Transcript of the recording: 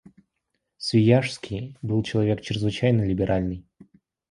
Свияжский был человек чрезвычайно либеральный.